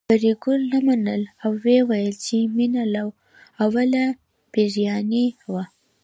پري ګلې نه منله او ويل يې چې مينه له اوله پيريانۍ وه